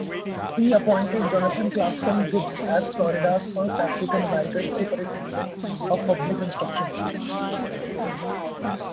He appointed Jonathan Clarkson Gibbs as Florida's first African American Superintendent of Public Instruction.